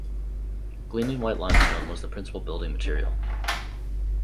Gleaming white limestone was the principle building material.